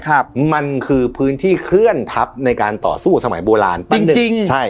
ครับมันคือพื้นที่เคลื่อนทัพในการต่อสู้สมัยโบราณตั้งแต่เด็กจริงใช่